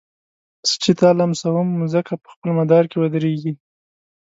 زه چي تا لمسوم مځکه په خپل مدار کي ودريږي